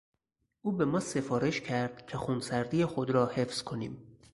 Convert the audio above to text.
او به ما سفارش کرد که خونسردی خود را حفظ کنیم.